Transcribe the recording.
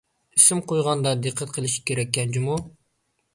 ئىسىم قويغاندا دىققەت قىلىش كېرەككەن جۇمۇ.